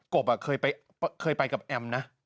บเคยไปกับแอมนะ